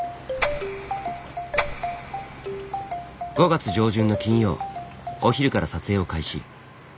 ５月上旬の金曜お昼から撮影を開始。